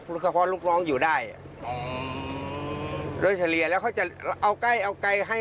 เฉพาะลูกน้องอยู่ได้อ๋อโดยเฉลี่ยแล้วเขาจะเอาใกล้เอาใกล้ให้